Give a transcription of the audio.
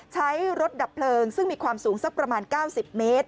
ใช้รถดับเพลิงซึ่งมีความสูงสักประมาณ๙๐เมตร